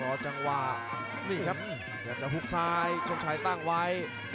จังหวะนี่ครับอยากจะหุกซ้ายชงชัยตั้งไว้